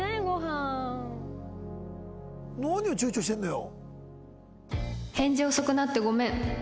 何をちゅうちょしてるのよ。